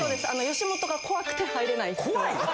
吉本が怖くて入れない。